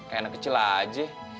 kayak anak kecil aja